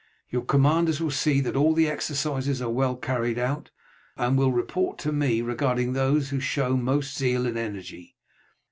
Your commanders will see that all the exercises are well carried out, and will report to me regarding those who show most zeal and energy.